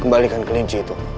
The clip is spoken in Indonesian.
kembalikan kelinci itu